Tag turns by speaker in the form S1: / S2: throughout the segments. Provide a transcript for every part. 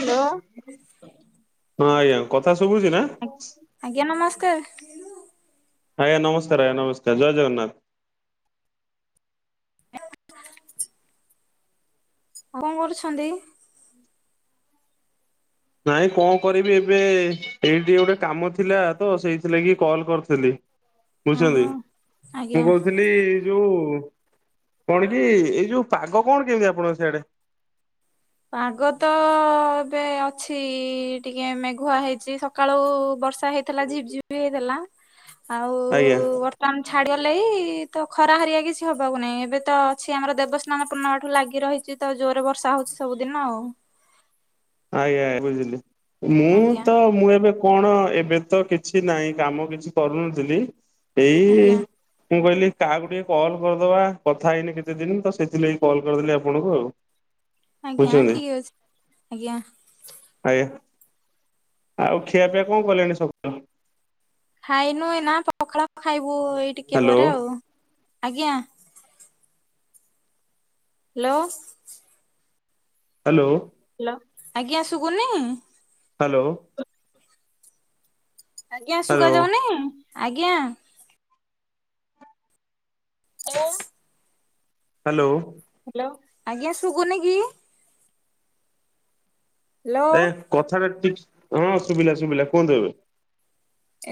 S1: Hello.
S2: ହଁ ଆଜ୍ଞା କଥା ଶୁଭୁଛି ନା
S1: ଆଜ୍ଞା ନମସ୍କାର।
S2: ଆଜ୍ଞା ନମସ୍କାର ଆଜ୍ଞା ନମସ୍କାର ଜୟ ଜଗନ୍ନାଥ।
S1: ଆଉ କଣ କରୁଛନ୍ତି?
S2: ନାଇଁ କଣ କରିବି ଏବେ ଏଇଠି ଗୋଟେ କାମ ଥିଲା ତ ସେଇଥିଲାଗି କଲ୍ କରିଥିଲି।
S1: ହୁଁ
S2: ବୁଝଛନ୍ତି ମୁଁ କହୁଥିଲି। ଯୋଉ କଣ କି ଏଇ ଯୋଉ ପାଗ କଣ କେମିତି ଆପଣଙ୍କ ସେଆଡେ?
S1: ପାଗ ତ ଏବେ ଅଛି ଟିକେ ମେଘୁଆ ହେଇଛି। ସକାଳୁ ବର୍ଷା ହେଇଥିଲା ଝିପଝିପି ହେଇଥିଲା ଆଉ।
S2: ଆଜ୍ଞା
S1: ପାଣି ଛାଡିବାଲାଗି ତ ଖରା ହରିଆ କିଛି ହବାକୁ ନାହିଁ ଏବେ ତ ଅଛି ଆମର ଦେବସ୍ନାନପୂର୍ଣ୍ଣଠୁ ଲାଗି ରହିଛି। ତ ଜୋରରେ ବର୍ଷା ହଉଛି ସବୁଦିନ ଆଉ।
S2: ଆଜ୍ଞା ବୁଝିଲି ମୁଁ
S1: ଆଜ୍ଞା
S2: ତ ମୁଁ ଏବେ। କଣ ଏବେ ତ କିଛି ନାହିଁ କାମ କିଛି କରୁନଥିଲି ଏଇ।
S1: ଆଜ୍ଞା
S2: ମୁଁ କହିଲି କାହାକୁ ଟିକେ କଲ୍ କରିଦବା କଥା ହେଇନି କେତେ ଦିନ ତ ସେଥିଲାଗି କଲ୍ କରିଦେଲି ଆପଣଙ୍କୁ ଆଉ।
S1: ଆଜ୍ଞା
S2: ବୁଝୁଛନ୍ତି
S1: ଠିକ୍ ଅଛି ଆଜ୍ଞା।
S2: ଆଜ୍ଞା ଆଉ ଖିଆପିଆ କଣ କଲେଣି ସକାଳୁ।
S1: ଖାଇନୁ ଏଇନା ପଖାଳ ଖାଇବୁ ଏଇ ଟିକେ
S2: ହ୍ୟାଲୋ
S1: ପରେ ଆଉ ଆଜ୍ଞା। ହ୍ୟାଲୋ।
S2: ହ୍ୟାଲୋ।
S1: ହ୍ୟାଲୋ ଆଜ୍ଞା ସୁଗୁନି?
S2: ହାଲୋ।
S1: ଆଜ୍ଞା,
S2: ହ୍ୟାଲୋ
S1: ଶୁଗା ଯାଉନି ଆଜ୍ଞା। [unintelligible]
S2: ହାଲୋ।
S1: ହ୍ୟାଲୋ ଆଜ୍ଞା ଶୁଗୁନି କି? ହ୍ୟାଲୋ
S2: ଏ କଥା ଟା ଟିକଶ୍ ହଁ ଶୁଭିଲା ଶୁଭିଲା କୁହନ୍ତୁ ଏବେ।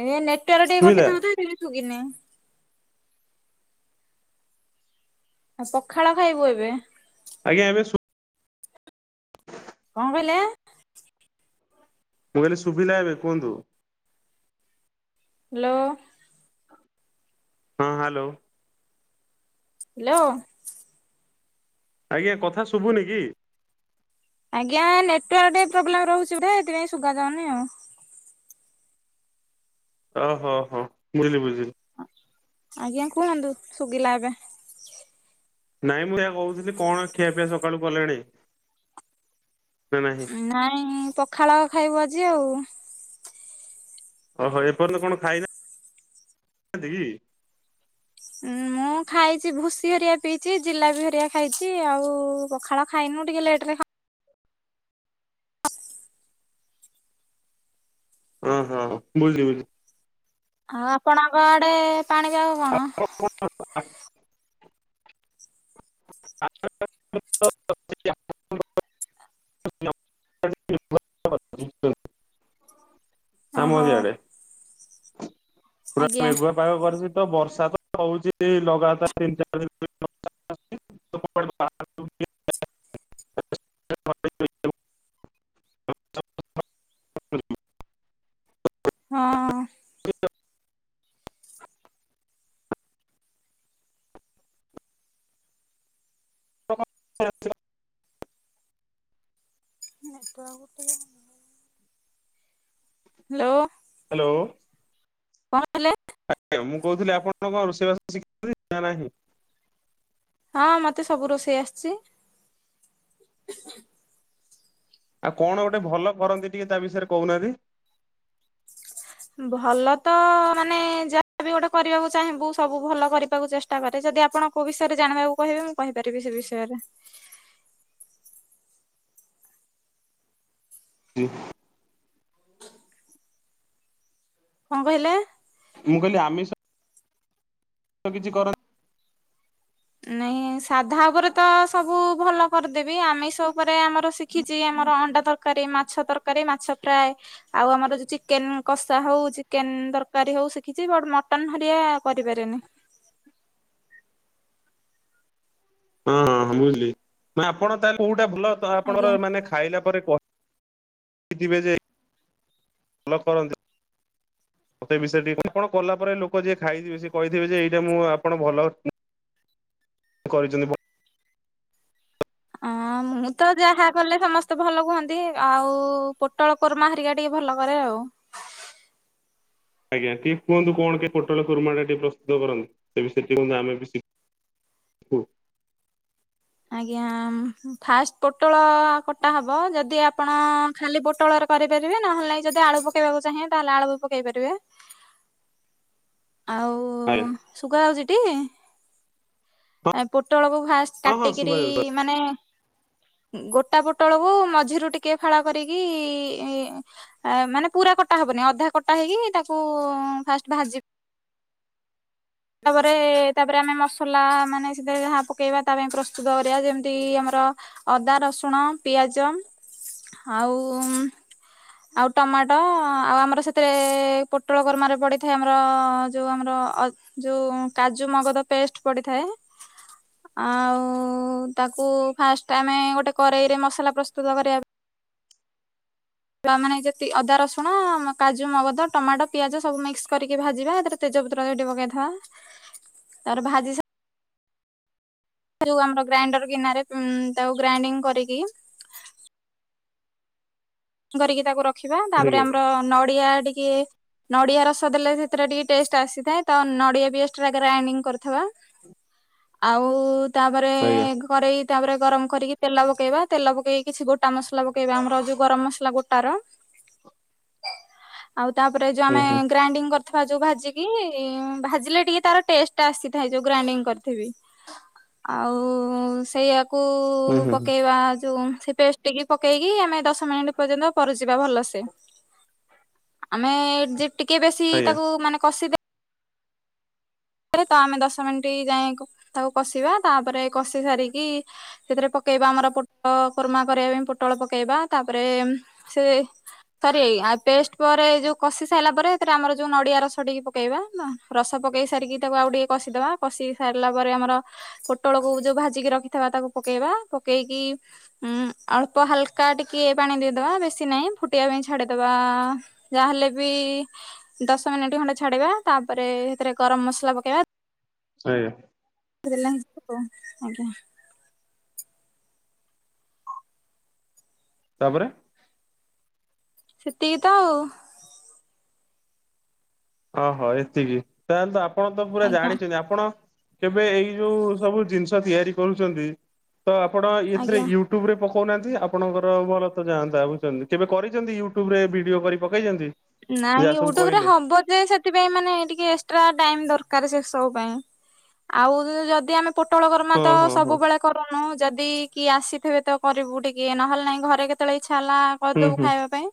S1: ଏ ନେଟୱାର୍କ ଟିକେ କଟି
S2: ଶୁଭିଲା
S1: ଥିବ ତ ସେଥ ପାଇଁ ସୁଗିନି। ପଖାଳ ଖାଇବୁ ଏବେ।
S2: ଆଜ୍ଞା, ଏବେ ଶୁ
S1: କଣ କହିଲେ?
S2: ମୁଁ କହିଲି ସୁବିଲା ଏବେ କୁହନ୍ତୁ।
S1: ହ୍ୟାଲୋ।
S2: ହଁ ହାଲୋ।
S1: ହ୍ୟାଲୋ।
S2: ଆଜ୍ଞା, କଥା ଶୁଭୁନି କି?
S1: ଆଜ୍ଞା ନେଟୱାର୍କ ଟିକେ ପ୍ରୋବ୍ଲେମ ରହୁଛି ବୋଧେ ଏଥିପାଇଁ ସୁଗା ଯାଉନି ଆଉ।
S2: ଓହୋ ହୋ ବୁଝିଲି ବୁଝିଲି।
S1: ଆଜ୍ଞା କୁହନ୍ତୁ ଶୁଗିଲା ଏବେ।
S2: ନାଇଁ ମୁଁ ଏହା କହୁଥିଲି କଣ ଖିଆ ପିଆ ସକାଳୁ କଲେଣି ନା ନାହିଁ।
S1: ନାଇଁ ପଖାଳ ଖାଇବୁ ଆଜି ଆଉ।
S2: ଓହୋ ଏପର୍ଯ୍ୟନ୍ତ କଣ ଖାଇନାହାନ୍ତି କି।
S1: ମୁଁ। ମୁଁ ଖାଇଛି ଭୁସି ହରିଆ ପିଇଛି ଜିଲାପି ହରିଆ ଖାଇଛି ଆଉ ପଖାଳ ଖାଇନୁ ଟିକେ ଲେଟରେ ଖାଉ
S2: ଓ ହୋ ବୁଝିଲି ବୁଝିଲି।
S1: ଆଉ ଆପଣଙ୍କ ଆଡେ ପାଣି ପାଗ କଣ?
S2: [unintelligible] [unintelligible] [unintelligible] [unintelligible] ଆମ
S1: ଓହୋ
S2: ବି ଆଡେ ପୁରା
S1: ଆଜ୍ଞା
S2: ମେଘୁଆ ପାାଗ କରିଛି ତ ବର୍ଷା ତ ହଉଛି ଲଗାତାର ତିନି ଚାରି ଦିନ ହେଲା [unintelligible]
S1: ହଁ।
S2: [unintelligible]
S1: [inaudible] ହାଲୋ।
S2: ହାଲୋ।
S1: କଣ ହେଲା?
S2: ଆଜ୍ଞା, ମୁଁ କହୁଥିଲି ଆପଣ କଣ ରୋଷେଇ ବାସ ଶିଖିଛନ୍ତି ନା ନାହିଁ?
S1: ହଁ, ମତେ ସବୁ ରୋଷେଇ ଆସିଛି।
S2: ଆଉ କଣ ଗୋଟେ ଭଲ କରନ୍ତି ଟିକେ ତା ବିଷୟରେ କହୁନାହାନ୍ତି।
S1: ଭଲ ତ ମାନେ ଯା ହା ବି ଗୋଟେ କରିବାକୁ ଚାହିଁବୁ ସବୁ ଭଲ କରିବାକୁ ଚେଷ୍ଟା କରେ ଯଦି ଆପଣ କୋଉ ବିଷୟରେ ଜାଣିବାକୁ କହିବେ କହିପାରିବି ସେ ବିଷୟରେ।
S2: [unintelligible]
S1: କଣ କହିଲେ?
S2: ମୁଁ କହିଲି ଆମିଷ ତ କିଛି କର
S1: ନାଇଁ ସାଧା ଉପରେ ତ ସବୁ ଭଲ କରିଦେବି। ଆମିଷ ଉପରେ ଆମର ଶିଖିଛି ଆମର ଅଣ୍ଡା ତରକାରୀ, ମାଛ ତରକାରୀ, ମାଛ ଫ୍ରାଏ। ଆଉ ଆମର ଯଉ ଚିକେନ କଷା ହଉ ଚିକେନ ତରକାରୀ ହଉ ଶିଖିଛି ବଟ ମଟନ ହରିଆ କରିପାରେନି।
S2: ହଁ ହଁ ହଁ ବୁଝିଲି। ଆପଣ ତାହେଲେ କୋଉଟା ଭଲ
S1: ଆଜ୍ଞା।
S2: ଆପଣର ମାନେ ଖାଇଲା ପରେ କ ଥିବେ ଯେ ଭଲ କରନ୍ତି। ମୋ ସେ ବିଷୟ ଟିକେ କଣ କଲା ପରେ ଲୋକ ଯିଏ ଖାଇଥିବେ ସେ କହିଥିବେ ଯେ ଏଇଟା ମୁଁ ଆପଣ ଭଲ କରିଛନ୍ତି ଭ
S1: ଅଁ ମୁଁ ତ ଯାହା କଲେ ସମସ୍ତେ ଭଲ କୁହନ୍ତି। ଆଉ ପୋଟଳ କୋରମା ହରିକା ଟିକେ ଭଲ କରେ ଆଉ।
S2: ଆଜ୍ଞା ଟିକେ କୁହନ୍ତୁ କଣ ପୋଟଳ କୁର୍ମା ଟିକେ ପ୍ରସ୍ତୁତ କରନ୍ତି। ସେ ବିଷୟ ଟିକେ ମୁଁ ଜାଣଲେ ଆମେ ବି ଶିଖୁ।
S1: ଆଜ୍ଞା ଫାଷ୍ଟ ପୋଟଳ କଟା ହବ ଯଦି ଆପଣ ଖାଲି ପୋଟଳରେ କରିପାରିବେ ନହେଲେ ଯଦି ଆଳୁ ପକେଇବାକୁ ଚାହିଁବେ ତାହେଲେ ଆଳୁ ବି ପକେଇ ପାରିବେ।
S2: ଆଜ୍ଞା
S1: ଆଉ ଶୁଗା ହଉଛି ଟି? ଏ ପୋଟଳକୁ ଫାଷ୍ଟ
S2: ହଁ ହଁ ହଁ
S1: କାଟିକରି
S2: ଶୁଭାଯାଉଛି
S1: ମାନେ ଗୋଟା ପୋଟଳକୁ ମଝିରୁ ଟିକେ ଫାଳ କରିକି ଇ ମାନେ ପୁରା କଟା ହବନି ଅଧା କଟା ହେଇକି ତାକୁ ଫାଷ୍ଟ ଭାଜି ତାପରେ ତାପରେ ଆମେ ମସଲା ମାନେ ସେଥିରେ ଯାହା ପକେଇବା ତା ପାଇଁ ପ୍ରସ୍ତୁତ କରିବା ଯେମିତି ଆମର ଅଦା, ରସୁଣ, ପିଆଜ ଆଉ ଆଉ ଟମାଟ ଆଉ ଆମର ସେଥିରେ ପୋଟଳ କୁରମାରେ ପଡି଼ଥାଏ ଆମର ଯୋଉ ଆମର ଯୋଉ କାଜୁ ମଗଦ ପେଷ୍ଟ ପଡି଼ଥାଏ। ଆଉ ତାକୁ ଫାଷ୍ଟ ଆମେ ଗୋଟେ କରେଇରେ ମସଲା ପ୍ରସ୍ତୁତ କରିବା। ମାନେ ଯଦି ଅଦା ରସୁଣ କାଜୁ ମଗଦ ଟମାଟୋ ପିଆଜ ସବୁ ମିକ୍ସ କରିକି ଭାଜିବା ତେଜପତ୍ର କାଟି ପକେଇ ଥିବା। ତାପରେ ଭାଜିସାରଲା ଯଉ ଆମର ଗ୍ରାଇଣ୍ଡର ଗିନାରେ ତାକୁ ଗ୍ରାଇଡିଙ୍ଗ କରିକି କରିକି ତାକୁ ରଖିବା ତାପରେ
S2: ଆଜ୍ଞା
S1: ଆମର ନଡ଼ିଆ ଟିକେ ନଡ଼ିଆ ରସ ଦେଲେ ସେଥିରେ ଟିକେ ଟେଷ୍ଟ ଆସିଥାଏ ତ ନଡ଼ିଆ ବି ଏକ୍ସଟ୍ରା ଗ୍ରାଇଣ୍ଡିଙ୍ଗ କରିଥିବା। ଆଉ ତାପରେ
S2: ଆଜ୍ଞା
S1: କରେଇ ତାପରେ ଗରମ କରିକି ତେଲ ପକେଇବା। ତେଲ ପକେଇକି କିଛି ଗୋଟା ମସଲା ପକେଇବା ଆମର ଯୋଉ ଗରମ ମସ ମସଲା ଗୋଟାର। ଆଉ ତାପରେ
S2: ହୁଁ
S1: ଆମେ
S2: ହୁଁ
S1: ଯୋଉ ଗ୍ରାଇଣ୍ଡିଙ୍ଗ କରି ଥିବା ଯୋଉ ଭାଜିକି ଭାଜିଲେ ଟିକେ ତାର ଟେଷ୍ଟ ଟା ଆସିଥାଏ ଯୋଉ ଗ୍ରାଇଣ୍ଡିଙ୍ଗ କରିଥିବେ। ଆଉ ସେଇଆକୁ
S2: ହୁଁ ହୁଁ
S1: ପକେଇବା ଯୋଉ ସେ ପେଷ୍ଟ କୁଟିକି ପକେଇକି ଆମେ ଦଶ ମିନିଟ୍ ପରଦିନ ପରସିବା ଭଲ ସେ। ଆମେ ଟ୍ରିପ୍ ଟିକେ ବେଶି
S2: ଆଜ୍ଞା
S1: ତାକୁ ମାନେ କଷି ଦେ ତ ଆମେ ଦଶ ମିଣ୍ଟି ଯାଏଁ ତାକୁ କଷିବା ତାପରେ କଷି ସାରିକି ସେଥିରେ ପକେଇବା ଆମର ପୋଟଳ କୋର୍ମା କରିବା ପାଇଁ ପୋଟଳ ପକେଇବା। ତାପରେ ସେ ସରି ଆଉ ପେଷ୍ଟ ପରେ ଯୋଉ କଷି ସାରିଲା ପରେ ଏଥିରେ ଆମର ଯୋଉ ନଡି଼ଆ ରସ ଟିକେ ପକେଇବା। ରସ ପକେଇ ସାରିକି ତାକୁ ଆଉ ଟିକେ କଷିଦବା କଷି ସାରିଲା ପରେ ଆମର ପୋଟଳକୁ ଯୋଉ ଭାଜିକି ରଖିବା ତାକୁ ପକେଇବା। ପକେଇକି ଉଁ ଅଳ୍ପ ହାଲକା ଟିକେ ପାଣି ଦେଇଦବା ବେଶୀ ନାହିଁ ଫୁଟିବା ପାଇଁ ଛାଡି଼ଦବା। ଯାହାହେଲେ ବି ଦଶ ମିନିଟ୍ ଖଣ୍ଡେ ଛାଡ଼ିବା ତାପରେ ସେଥିରେ ଗରମ ମସଲା ପକେଇବା।
S2: ଆଜ୍ଞା।
S1: [unintelligible] ଆଜ୍ଞା।
S2: ତାପରେ
S1: ସେତିକି ତ ଆଉ।
S2: ଓହୋ ଏତିକି ତାହେଲେ ତ ଆପଣ ତ ପୁରା
S1: ଆଜ୍ଞା
S2: ଜାଣିଛନ୍ତି ଆପଣ କେବେ ଏଇ ଯୋଉ ସବୁ ଜିନିଷ ତିଆରି କରୁଛନ୍ତି ତ ଆପଣ ଏଥିରେ
S1: ଆଜ୍ଞା
S2: ୟୁ ୟୁଟ୍ୟୁବ ରେ ପକଉନାହାନ୍ତି ଆପଣଙ୍କର ଭଲ ତ ଯାଆନ୍ତା ବୁଝୁଛନ୍ତି। କେବେ କରିଛନ୍ତି ୟୁଟ୍ୟୁବ ରେ ଭିଡିଓ କରି ପକେଇଛନ୍ତି? ଯାହା
S1: ନାଇଁ
S2: ସବୁ
S1: ୟୁଟ୍ୟୁବ ରେ
S2: କହିଲେ
S1: ହବ ଯେ ସେଥିପାଇଁ ମାନେ ଟିକେ ଏକ୍ସଟ୍ରା ଟାଇମ୍ ଦରକାର ସେ ସବୁ ପାଇଁ। ଆଉ ଯଦି ଆମେ ପୋଟଳ ଗରମା
S2: ହଁ
S1: ତ
S2: ହଁ ହଁ
S1: ସବୁବେଳେ କରୁନୁ, ଯଦି କିଏ ଆସିଥିବେ ତ କରିବୁ ଟିକେ ନହେଲେ ନାଇଁ ଘରେ କେତେବେଳେ ଇଚ୍ଛା ହେଲା
S2: ହୁଁ
S1: କରିଦବୁ
S2: ହୁଁ
S1: ଖାଇବା ପାଇଁ।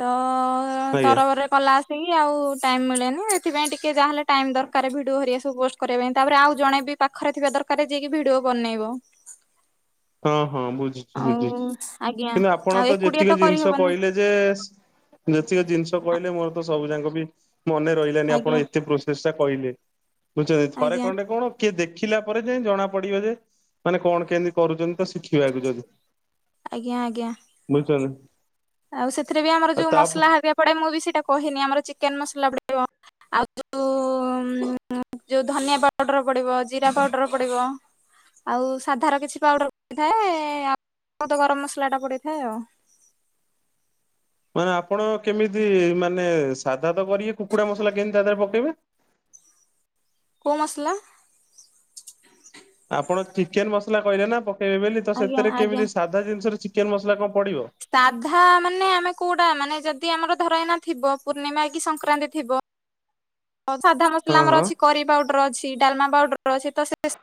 S1: ତ
S2: ଆଜ୍ଞା
S1: ତରବରରେ କଲା ସେ ଆଉ ଟାଇମ୍ ମିଳେନି। ଏଥିପାଇଁ ଟିକେ ଯାହେଲେ ଟାଇମ୍ ଦରକାର ଭିଡ଼ିଓ ହରିହା ସବୁ ପୋଷ୍ଟ କରିବା ପାଇଁ। ତାପରେ ଆଉ ଜଣେ ବି ପାଖରେ ଥିବା ଦରକାର ଯିଏକି ଭିଡିଓ ବନେଇବ।
S2: ହଁ ହଁ ବୁଝୁଛି
S1: ଆଉ
S2: ବୁଝୁଛି।
S1: ଆଜ୍ଞା
S2: କିନ୍ତୁ ଆପଣ
S1: ଆଉ
S2: ତ
S1: ଏକୁଟିଆ
S2: ଯେତିକି ଜିନିଷ
S1: କରିହବନି
S2: କହିଲେ ଯେ ଯେତିକ ଜିନିଷ କହିଲେ ମୋର ତ ସବୁ ଯାକ ବି ମନେ ରହିଲାନି, ଆପଣ
S1: ଆଜ୍ଞା
S2: ଏତେ ପ୍ର ସେସ୍ ଟା କହିଲେ। ବୁଝଛନ୍ତି ଥରେ
S1: ଆଜ୍ଞା
S2: କଣ୍ଟା କଣ କିଏ ଦେଖିଲା ପରେ ଯାଏଁ ଜଣା ପଡିବ ଯେ ମାନେ କଣ କେମିତି କରୁଛନ୍ତି ତ ଶିଖିବାକୁୁ ଯଦି।
S1: ଆଜ୍ଞା ଆଜ୍ଞା।
S2: ବୁଝୁଛନ୍ତି।
S1: ଆଉ ସେଥିରେ ବି ଆମର
S2: ଆଉ
S1: ଯୋଉ ମସଲା
S2: ତାପରେ
S1: ହେରିକା ପଡେ ମୁଁ ବି ସେଇଟା କହିନି ଆମର ଚିକେନ ମସଲା ପଡ଼ିବ। ଆଉ ଯୋଉ ଯୋଉ ଧନିଆ ପାଉଡର ପଡିବ ଜିରା ପାଉଡର ପଡିବ। ଆଉ ସାଧାର କିଛି ପାଉଡ଼ର ପଡ଼ିଥାଏ, ଆଉ ତ ଗରମ ମସଲାଟା ପଡ଼ିଥାଏ ଆଉ।
S2: ମାନେ ଆପଣ କେମିତି ମାନେ ସାଧା ତ କରିବେ କୁକୁଡା ମସଲା କେମିତି ତା ଦେହରେ ପକେଇବେ।
S1: କୋଉ ମସଲା?
S2: ଆପଣ ଚିକେନ ମସଲା କହିଲେ ନା ପକେଇବେ ବୋଲି ତ
S1: ଆଜ୍ଞା
S2: ସେଥିରେ
S1: ଆଜ୍ଞା।
S2: କେମିତି ସାଧା ଜିନିଷରେ ଚିକେନ ମସଲା କଣ ପଡିବ।
S1: ସାଧା ମାନେ ଆମେ କୋଉଟା ମାନେ ଯଦି ଆମର ଧରା ଏଇନା ଥିବ ପୂର୍ଣ୍ଣିମା କି ସଂକ୍ରାନ୍ତି ଥିବ। ତ ସାଧା
S2: ହଁ
S1: ମସଲା ଆମର
S2: ହଁ
S1: ଅଛି କରି ପାଉଡର ଅଛି ଡାଲମା ପାଉଡର ଅଛି ତ ସେ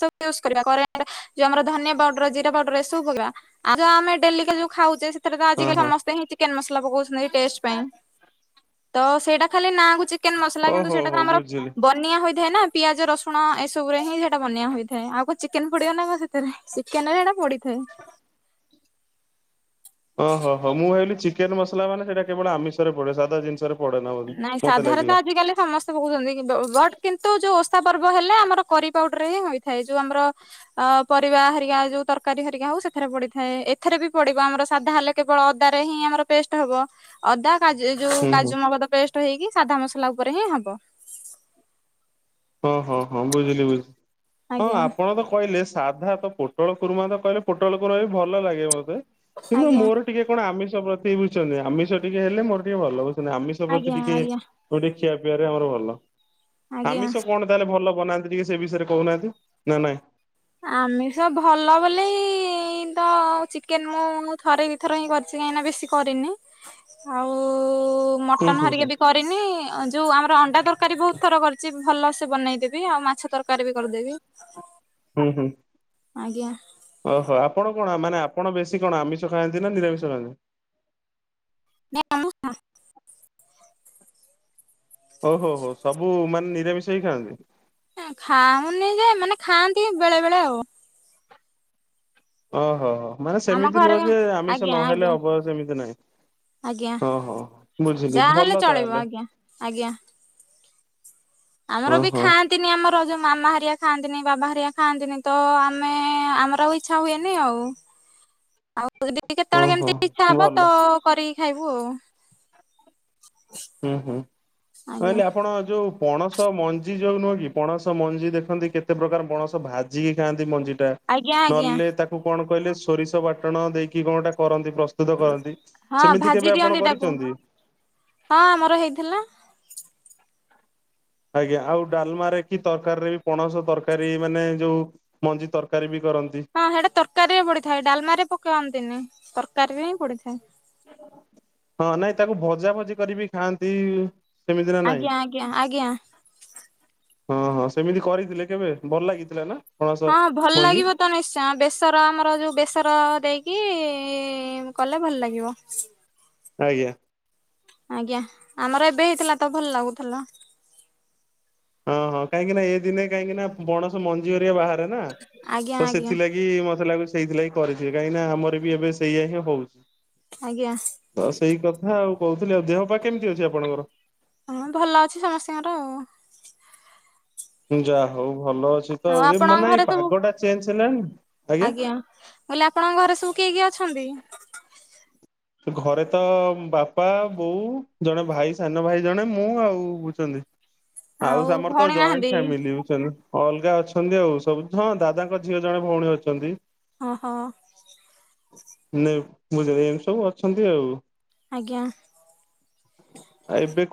S1: ସବୁ ୟୂଜ କରିବା। [unintelligible] ଯୋଉ ଆମର ଧନିଆ ପାଉଡର, ଜିରା ପାଉଡର ଏସବୁ ପକେଇବା। ଆଉ ଯୋଉ ଆମେ ଡେଲି କା ଯୋଉ ଖାଉଛେ ସେଥିରେ ତ
S2: ହଁ
S1: ଆଜିକାଲି
S2: ହଁ
S1: ସମସ୍ତେ ହିଁ ଚିକେନ ମସଲା ପକଉଛନ୍ତି ଟେଷ୍ଟ ପାଇଁ। ତ ସେଇଟା ଖାଲି ନା କୁ ଚିକେନ ମସଲା କିନ୍ତୁ
S2: ଓହୋ
S1: ସେଟା ତ
S2: ହୋ
S1: ଆମର
S2: ବୁଝିଲି।
S1: ବ୍ ବନିଆ ହୋଇଥାଏ ନା ପିଆଜ ରସୁଣ ଏସବୁରେ ହିଁ ସେଇଟା ବନ୍ୟା ହୋଇଥାଏ। ଆଉ କଣ ଚିକେନ ପଡିବ ନା କଣ ସେଥିରେ? ଚିକେନ ରେ ଏଟା ପଡିଥାଏ।
S2: ହ ଓହୋ ହୋ ମୁଁ ଭାବିଲି ଚିକେନ ମସଲା ମାନେ ସେଇଟା କେବଳ ଆମିଷରେ ପଡେ ସାଧା ଜିନିଷରେ ପଡେ ନା ବୋଧେ।
S1: ନାଇଁ
S2: ମତେ
S1: ସାଧାରେ ତ
S2: ଲାଗିଲା
S1: ଆଜିକାଲି ସମସ୍ତେ କହୁଛନ୍ତି ବଟ୍ କିନ୍ତୁ ଯୋଉ ଓଷା ପର୍ବ ହେଲେ ଆମର କରି ପାଉଡ଼ରେ ହିଁ ହୋଇଥାଏ। ଯୋଉ ଆମର ଅ ପରିବା ହେରିକା ଯୋଉ ତରକାରୀ ହେରିକା ହଉ ସେଥିରେ ପଡିଥାଏ ଏଥିରେ ବି ପଡିବ ଆମର ସାଧା ହେଲେ। କେବଳ ଅଦା ରେ ହିଁ ଆମର ପେଷ୍ଟ ହବ। ଅଦା, କାଜୁ ଏ ଯୋଉ
S2: ହୁଁ ହୁଁ
S1: କାଜ, ମଗଜ ପେଷ୍ଟ ହେଇକି ସାଧା ମସଲା ଉପରେ ହିଁ ହବ।
S2: ହଁ ହଁ ହଁ ବୁଝିଲି ବୁଝିଲି ହଁ
S1: ଆଜ୍ଞା
S2: ଆପଣ ତ କହିଲେ ସାଧା ତ ପୋଟଳ କୁରୁମା ତ କହିଲେ ପୋଟଳ କୁରୁମା ବି ଭଲ ଲାଗେ ମତେ କିନ୍ତୁ
S1: ଆଜ୍ଞା
S2: ମୋର ଟିକେ କଣ ଆମିଷ ପ୍ରତି ବୁଝୁଚନ୍ତି ଆମିଷ ଟିକେ ହେଲେ ମୋର ଟିକେ ଭଲ ବୁଝୁଚନ୍ତି ଆମିଷ ପ୍ରତି
S1: ଆଜ୍ଞା
S2: ଟିକେ
S1: ଆଜ୍ଞା
S2: ଗୋଟେ ଖିଆ ପିଆରେ ଆମର ଭଲ ଆମି
S1: ଆଜ୍ଞା
S2: କଣ ତାହେଲେ ଭଲ ବନାନ୍ତି ଟିକେ ସେ ବିଷୟରେ କହୁନାହାନ୍ତି ନା ନାଇଁ?
S1: ଆମିଷ ଭଲ ବୋଲି ତ ଚିକେନ ମୁଁ ଥରେ ଦି ଥର ହିଁ କରିଚି ନହେନେ ବେଶୀ କରିନି ଆଉ
S2: ହୁଁ
S1: ମଟନ
S2: ହୁଁ ହୁଁ
S1: ହରିକା ବି କ ରିନି ଯୋଉ ଆମର ଅଣ୍ଡା ତରକାରୀ ବହୁତ୍ ଥର କରିଚି ଭଲସେ ବନେଇଦେ ବି ଆଉ ମାଛ ତରକାରୀ ବି କରିଦେବି।
S2: ହୁଁ ହୁଁ।
S1: ଆଜ୍ଞା।
S2: ଓହୋ ଆପଣ କଣ ମାନେ ଆପଣ ବେଶୀ କଣ ଆମିଷ ଖାଆନ୍ତି ନା ନିରାମିଷ ଖାଆନ୍ତି?
S1: ନା [unintelligible]
S2: ଓହୋ ହୋ ସବୁ ମାନେ ନିରାମିଷ ହିଁ ଖାଆନ୍ତି।
S1: ଖାଉନି ଯେ ମାନେ ଖାଆନ୍ତି ବେଳେ ବେଳେ ଆଉ।
S2: ଓହୋ ହୋ ମାନେ
S1: ଆମ
S2: ସେମିତି ନୁହଁ
S1: ଘରେ
S2: ଯେ ଆମିଷ
S1: ଆଜ୍ଞା
S2: ନହେଲେ
S1: ଆଜ୍ଞା
S2: ହବ ସେମିତି ନାହିଁ।
S1: ଆଜ୍ଞା
S2: ଅହ ବୁଝିଲି
S1: ଯାହା ହେଲେ
S2: ଭଲ
S1: ଚଳିବ
S2: ତାହେଲେ।
S1: ଆଜ୍ଞା ଆଜ୍ଞା। ଆମର ବି
S2: ଓହୋ।
S1: ଖାଆ ନି ଆମର ଯୋଉ ମାମା ହାରିକା ଖାଆନ୍ତିନି ବାବା ହାରିଆ ଖାଆନ୍ତିନି ତ ଆମେ ଆମର ଆଉ ଇଛା ହୁଏନି ଆଉ। [inaudible] ଆଉ ଯଦି
S2: ଓ
S1: କେତେବେଳେ
S2: ହୋ
S1: କେମିତି ଇଚ୍ଛା ହବ ତ
S2: ଭଲ
S1: କରିକି ଖାଇବୁ ଆଉ।
S2: ହୁଁ ହୁଁ
S1: ଆଜ୍ଞା
S2: କହିଲେ ଆପଣ ଯୋଉ ପଣସ ମଞ୍ଜି ଯୋଉ ନୁହେଁ କି ପଣସ ମଞ୍ଜି ଦେଖନ୍ତି କେତେ ପ୍ରକାର ପଣସ ଭାଜିକି ଖାଆନ୍ତି ମଞ୍ଜି ଟା
S1: ଆଜ୍ଞା ଆଜ୍ଞା।
S2: ନହେଲେ ତାକୁ କଣ କହିଲେ ସୋରିଷ ବାଟଣ ଦେଇକି କଣ ଗୋଟେ କରନ୍ତି ପ୍ର ସ୍ତୁତ କରନ୍ତି
S1: ହଁ
S2: ସେମିତି
S1: ଭାଜି
S2: କେବେ ଆପଣ
S1: ଦିଅନ୍ତି ତାକୁ
S2: କରିଚନ୍ତି?
S1: ହଁ ଆମର ହେଇଥିଲା।
S2: ଆଜ୍ଞା ଆଉ ଡାଲ୍ମାରେ କି ତରକାରୀରେ ବି ପଣସ ତରକାରୀ ମାନେ ଯୋଉ ମଞ୍ଜି ତରକାରୀ ବି କରନ୍ତି।
S1: ହଁ ହେଟା ତରକାରୀ ରେ ପଡିଥାଏ ଡାଲମା ରେ ପକେଇନ୍ତିନି ତରକାରୀରେ ହିଁ ପଡିଥାଏ।
S2: ହଁ ନାଇଁ ତାକୁ ଭଜା ଭଜି କରିକି ଖାଆନ୍ତି। ସେମିତି ନା ନାଇଁ?
S1: ଆଜ୍ଞା ଆଜ୍ଞା ଆଜ୍ଞା।
S2: ହଁ ହଁ ସେମିତି କରିଥିଲେ କେବେ ଭଲ ଲାଗିଥିଲା ନା? ପଣସ
S1: ହଁ ହଁ ଭଲ
S2: ମଞ୍ଜି
S1: ଲାଗିବ ତ ନିଶ୍ଚି ତ ବେସର ଆମର ଯଉ ବେସର ଦେଇକି କଲେ ଭଲ ଲାଗିବ।
S2: ଆଜ୍ଞା।
S1: ଆଜ୍ଞା ଆମର ଏବେ ହେଇଥିଲା ତ ଭଲ ଲାଗୁଥିଲା।
S2: ହଁ ହଁ କାହିଁକି ନା ଏ ଦିନେ କାହିଁକି ନା ପଣସ ମଞ୍ଜି ହରିକା ବାହାରେ ନା
S1: ଆଜ୍ଞା
S2: ତ
S1: ଆଜ୍ଞା
S2: ସେଥିଲାଗି। ଗି ମତେ ଲାଗୁଚି ସେଇଥିଲାଗି କରିଥିବେ କାହିଁକି ନା ଆମର ବି ଏବେ ସେଇୟା ହିଁ ହଉଚି।
S1: ଆଜ୍ଞା।
S2: ତ ସେଇ କଥା ଆଉ କହୁଥିଲି ଆଉ ଦେହ ପା କେମିତି ଅଛି ଆପଣଙ୍କର?
S1: ହଁ ଭଲ ଅଛି ସମସ୍ତିଙ୍କର ଆଉ।
S2: ଯାହା ହଉ ଭଲ ଅଛି ତ
S1: ଆଉ
S2: ଏ
S1: ଆପଣଙ୍କ
S2: ମାନେ
S1: ଘରେ ସବୁ
S2: ପାଗ ଟା ଚେଞ୍ଜ ହେଲାଣି
S1: ଆଜ୍ଞା ବୋଇିଲେ ଆପଣଙ୍କ ଘରେ ସବୁ କିଏ କିଏ ଅଛନ୍ତି?
S2: ଘରେ ତ ବାପା ବୋଉ ଜଣେ ଭାଇ ସାନ ଭାଇ ଜଣେ ମୁଁ ଆଉ ବୁଛନ୍ତି। ଆଉ ଆମର ତ
S1: ଭଉଣୀ
S2: ଜଏଣ୍ଟ
S1: ନାହାନ୍ତି
S2: ଫ୍ୟାମିଲି ବୁଛନ୍ତି। ଅଲଗା ଅଛନ୍ତି ଆଉ ସବୁ ହଁ ଦାଦାଙ୍କ ଝିଅ ଜଣେ ଭଉଣୀ ଅଛନ୍ତି।
S1: ହଁ ହଁ।
S2: ନାଇଁ ମୁଁ ଜ ଏମତି ସବୁ ଅଛନ୍ତି ଆଉ।
S1: ଆଜ୍ଞା।
S2: ଆଉ ଏବେ